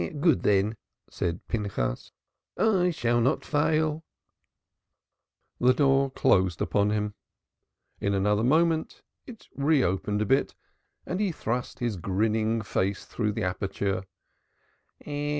"Good, then!" said Pinchas; "I shall not fail." The door closed upon him. In another moment it reopened a bit and he thrust his grinning face through the aperture.